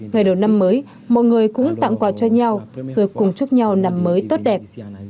ngày đầu năm mới mọi người cũng tặng quà cho nhau rồi cùng chúc nhau năm mới tốt đẹp